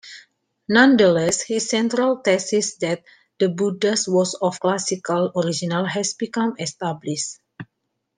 Nonetheless, his central thesis that the Buddha was of Classical origin has become established.